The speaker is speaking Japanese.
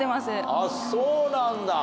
あっそうなんだ。